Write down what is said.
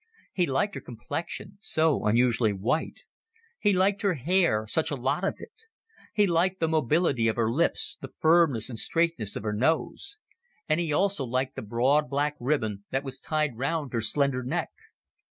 He liked her complexion so unusually white; he liked her hair such a lot of it; he liked the mobility of her lips, the fineness and straightness of her nose; and he also greatly liked the broad black ribbon that was tied round her slender neck.